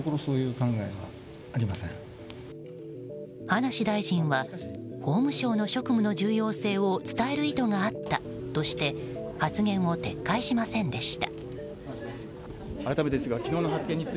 葉梨大臣は法務省の職務の重要性を伝える意図があったとして発言を撤回しませんでした。